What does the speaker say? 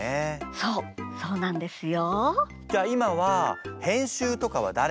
そうそうなんですよ。